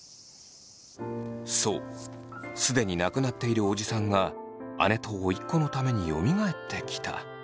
そう既に亡くなっているおじさんが姉と甥っ子のためによみがえってきた。